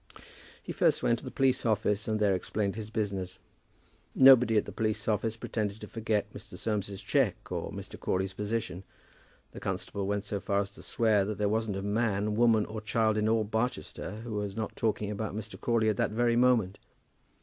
He first went to the police office, and there explained his business. Nobody at the police office pretended to forget Mr. Soames's cheque, or Mr. Crawley's position. The constable went so far as to swear that there wasn't a man, woman, or child in all Barchester who was not talking of Mr. Crawley at that very moment.